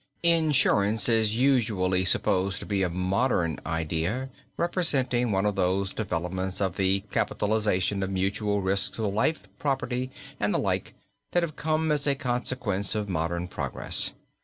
Insurance is usually supposed to be a modern idea representing one of those developments of the capitalization of mutual risks of life, property, and the like that have come as a consequence of modern progress.